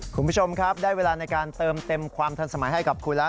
คุณผู้ชมครับได้เวลาในการเติมเต็มความทันสมัยให้กับคุณแล้ว